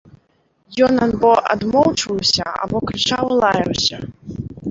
Ён або адмоўчваўся, або крычаў і лаяўся.